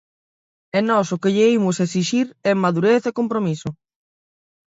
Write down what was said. E nós o que lle imos exixir é madurez e compromiso.